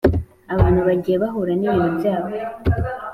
abantu bagiye bahura n’ibintu byabo